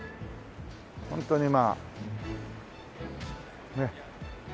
ホントにまあねっ。